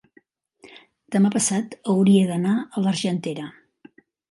demà passat hauria d'anar a l'Argentera.